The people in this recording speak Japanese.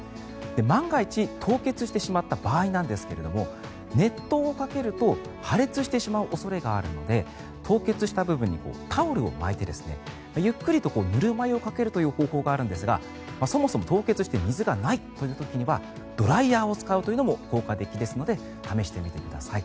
万が一、凍結してしまった場合なんですけども熱湯をかけると破裂してしまう恐れがあるので凍結した部分にタオルを巻いてゆっくりとぬるま湯をかけるという方法があるんですがそもそも凍結して水がないという時にはドライヤーを使うというのも効果的ですので試してみてください。